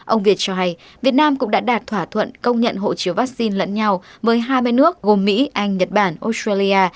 ông việt cho hay việt nam cũng đã đạt thỏa thuận công nhận hộ chiếu vaccine lẫn nhau với hai mươi nước gồm mỹ anh nhật bản australia